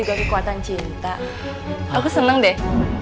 aku seneng deh